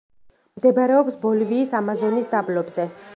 მდებარეობს ბოლივიის ამაზონის დაბლობზე.